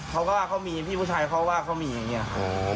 เขาก็ว่าเขามีพี่ผู้ชายเขาว่าเขามีอย่างนี้ครับ